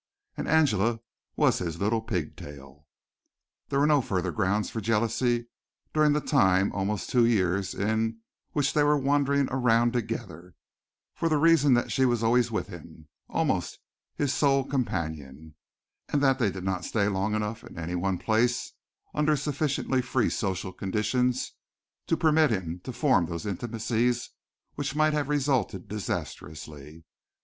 And Angela was his "little pigtail." There were no further grounds for jealousy during the time, almost two years, in which they were wandering around together, for the reason that she was always with him, almost his sole companion, and that they did not stay long enough in any one place and under sufficiently free social conditions to permit him to form those intimacies which might have resulted disastrously.